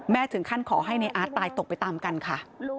ถึงขั้นขอให้ในอาร์ตตายตกไปตามกันค่ะ